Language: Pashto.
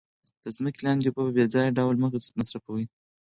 د ځمکې لاندې اوبه په بې ځایه ډول مه مصرفوئ.